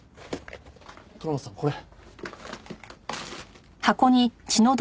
虎松さんこれ。